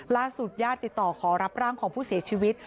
ญาติติดต่อขอรับร่างของผู้เสียชีวิต